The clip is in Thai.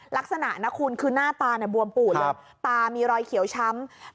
ลักษณะนะคุณคือหน้าตาบวมปูดเลยตามีรอยเขียวช้ำ